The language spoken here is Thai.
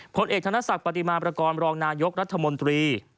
ผลเอกธนศักดิ์ปฏิมาประกอบรองนายกรัฐมนตรี